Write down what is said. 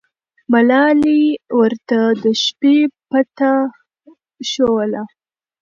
ملالۍ ورته د شپې پته ښووله.